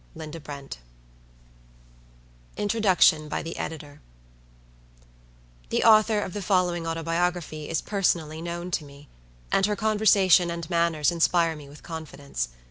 —Linda Brent Introduction By The Editor The author of the following autobiography is personally known to me, and her conversation and manners inspire me with confidence.